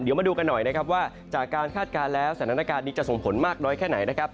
เดี๋ยวมาดูกันหน่อยนะครับว่าจากการคาดการณ์แล้วสถานการณ์นี้จะส่งผลมากน้อยแค่ไหนนะครับ